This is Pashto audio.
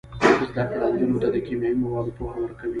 زده کړه نجونو ته د کیمیاوي موادو پوهه ورکوي.